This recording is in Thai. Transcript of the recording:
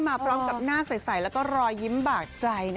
มาพร้อมกับหน้าใสแล้วก็รอยยิ้มบากใจ